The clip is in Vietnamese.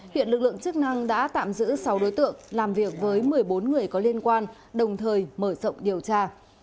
hiện lực lượng chức năng đã tạm giữ sáu đối tượng làm việc với một mươi bốn người có liên quan đồng thời mở rộng điều tra